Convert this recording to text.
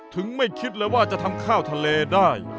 ไม่คิดเลยว่าจะทำข้าวทะเลได้